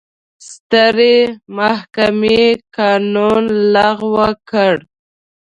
سترې محکمې قانون لغوه کړ.